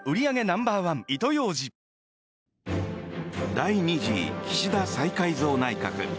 第２次岸田再改造内閣。